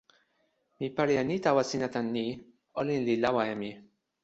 mi pali e ni tawa sina tan ni: olin li lawa e mi.